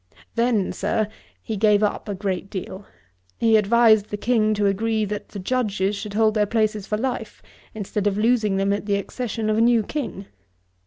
Then, Sir, he gave up a great deal. He advised the King to agree that the Judges should hold their places for life, instead of losing them at the accession of a new King.